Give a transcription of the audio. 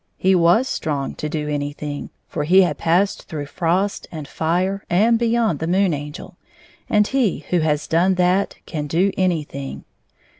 He was strong to do anything, for he had passed through irost and fire and beyond the Moon Angel, and he who has done that can do anything.